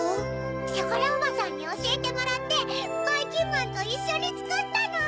ショコラおばさんにおしえてもらってばいきんまんといっしょにつくったの！